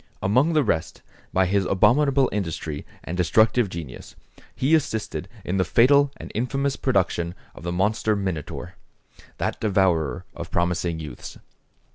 Among the rest, by his abominable industry and destructive genius, he assisted in the fatal and infamous production of the monster Minotaur, that devourer of promising youths.